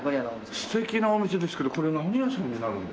素敵なお店ですけどこれ何屋さんになるんですか？